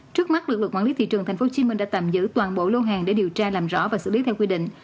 trước mắt lực lượng quản lý thị trường tp hcm đã tạm giữ toàn bộ lô hàng để điều tra làm rõ và xử lý theo quy định